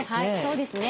そうですね。